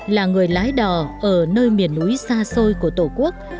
là người lái đò ở nơi miền núi xa xôi của tổ quốc